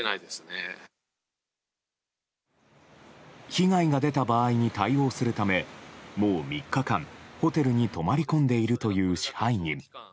被害が出た場合に対応するためもう３日間ホテルに泊まり込んでいるという支配人。